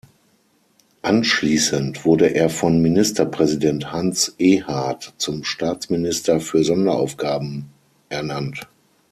Anschließend wurde er von Ministerpräsident Hans Ehard zum Staatsminister für Sonderaufgaben ernannt.